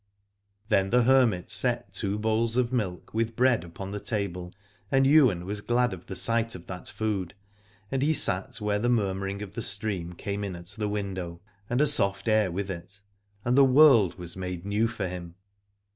Then the hermit set two bowls of milk with bread upon the table. And Ywain was glad of the sight of that food, and he sat where the murmuring of the stream came in at the window, and a soft air with it, and the world was made new for him.